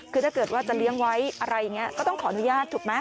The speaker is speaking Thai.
คือถ้าเกิดว่าจะเลี้ยงไว้อะไรอย่างนี้ก็ต้องขออนุญาตถูกไหม